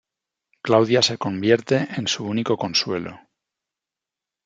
Claudia se convierte en su único consuelo.